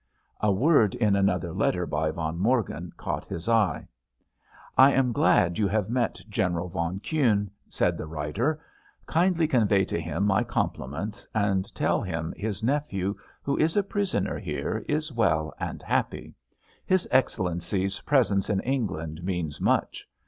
A word in another letter by von Morgen caught his eye: "I am glad you have met General von Kuhne," said the writer. "_Kindly convey to him my compliments, and tell him his nephew, who is a prisoner here, is well and happy. His Excellency's presence in England means much.